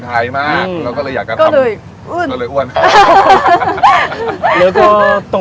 ถ่ายมากเราก็เลยอ้น